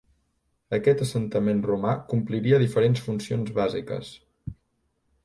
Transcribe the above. Aquest assentament romà compliria diferents funcions bàsiques.